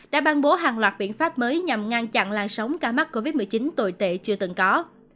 đã ban bố hàng loạt biện pháp mới nhằm ngăn chặn làn sóng ca mắc covid một mươi chín tồi tệ chưa từng có